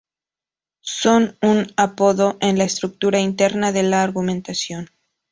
Son un apoyo a la estructura interna de la argumentación.